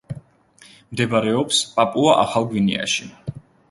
მდებარეობს პაპუა-ახალ გვინეაში.